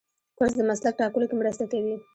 کورس د مسلک ټاکلو کې مرسته کوي.